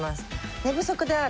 寝不足である。